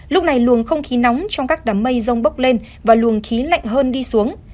lúc này luồng không khí nóng trong các đám mây rông bốc lên và luồng khí lạnh hơn đi xuống